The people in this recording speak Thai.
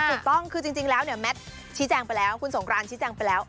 ถูกต้องคือจริงแล้วเนี่ยแมทชี้แจงไปแล้วคุณสงครานชี้แจงไปแล้ว